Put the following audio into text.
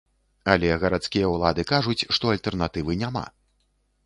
Але гарадскія ўлады кажуць, што альтэрнатывы няма.